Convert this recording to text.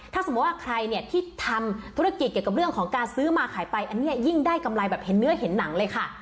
ถ้าสมมุติว่าใครเนี่ยที่ทำธุรกิจเกี่ยวกับเรื่องของการซื้อมาขายไปอันนี้ยิ่งได้กำไรแบบเห็นเนื้อเห็นหนังเลยค่ะ